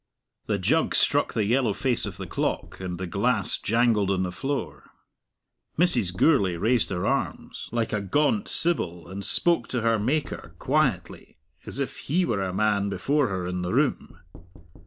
The jug struck the yellow face of the clock, and the glass jangled on the floor. Mrs. Gourlay raised her arms, like a gaunt sibyl, and spoke to her Maker, quietly, as if He were a man before her in the room.